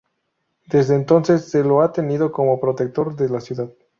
Desde entonces se lo ha tenido como protector de la ciudad.